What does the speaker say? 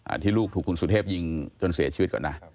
ที่ลูกถูกคุณสุเทพยิงจนเสียชีวิตก่อนนะ